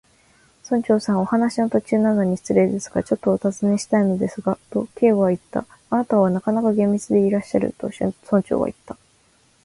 「村長さん、お話の途中なのに失礼ですが、ちょっとおたずねしたいのですが」と、Ｋ はいった。「あなたはなかなか厳密でいらっしゃる」と、村長はいった。